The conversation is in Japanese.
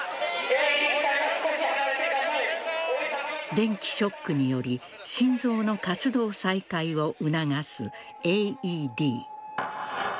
電気ショックにより心臓の活動再開を促すＡＥＤ。